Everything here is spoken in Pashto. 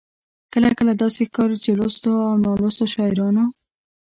کله کله داسې ښکاري چې لوستو او نالوستو شاعرانو.